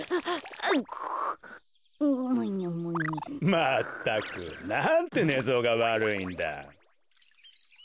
まったくなんてねぞうがわるいんだ。